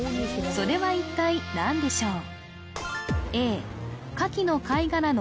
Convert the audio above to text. それは一体何でしょう？